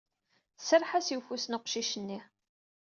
Tserreḥ-as i ufus n uqcic-nni.